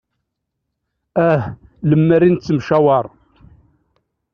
Ah lemmer i nettemcawaṛ.